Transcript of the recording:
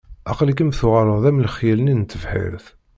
Aql-ikem tuɣaleḍ am lexyal-nni n tebḥirt.